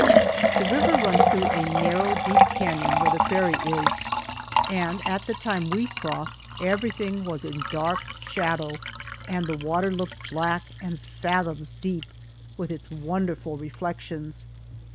The river runs through a narrow, deep canon where the ferry is, and at the time we crossed everything was in dark shadow, and the water looked black, and fathoms deep, with its wonderful reflections.